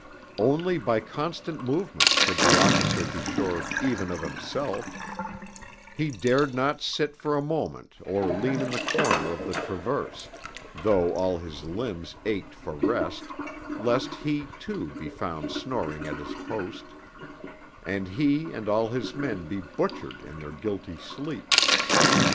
Only by constant movement could the officer be sure even of himself; he dared not sit for a moment or lean in the corner of the traverse, though all his limbs ached for rest, lest he, too, be found snoring at his post, and he and all his men be butchered in their guilty sleep.